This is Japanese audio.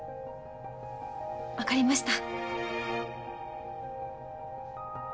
わかりました。